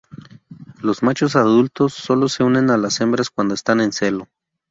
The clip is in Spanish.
Los machos adultos sólo se unen a las hembras cuando están en celo.